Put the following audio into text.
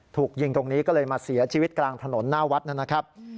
ถูกยิงตรงนี้ก็เลยมาเสียชีวิตกลางถนนหน้าวัดนะครับ